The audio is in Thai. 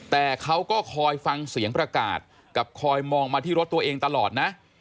แต่เขาก็คอยฟังเสียงประกาศกับคอยมองมาที่รถตัวเองตลอดนะ